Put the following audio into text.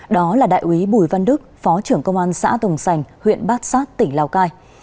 đó là đại úy bùi văn đức phó trưởng công an xã tồng sành huyện bát sát tỉnh lào cai